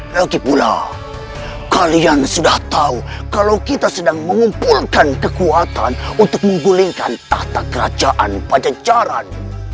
lagi pula kalian sudah tahu kalau kita sedang mengumpulkan kekuatan untuk menggulingkan tahta kerajaan pajajaran